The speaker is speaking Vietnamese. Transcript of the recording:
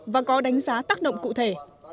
và có đánh giá tác động cụ thể